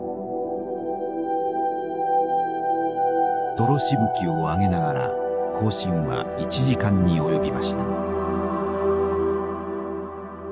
泥しぶきを上げながら行進は１時間に及びました。